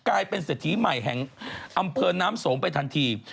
กลายเป็นเศรษฐีใหม่แห่งอำเภอน้ำสมไปทันที